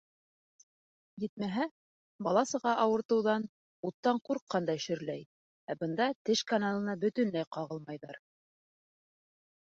Етмәһә, бала-саға ауыртыуҙан уттан ҡурҡҡандай шөрләй, ә бында теш каналына бөтөнләй ҡағылмайҙар.